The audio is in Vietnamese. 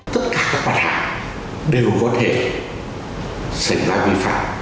tất cả các mặt hàng đều có thể xảy ra vi phạm